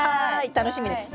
楽しみです。